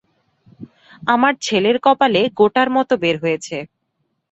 আমার ছেলের কপালে গোটার মত বের হয়েছে।